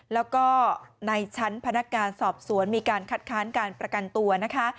แล้วก็ในชั้นพนักงานสอบสวนมีการคัดค้านการประกันตัวนะคะ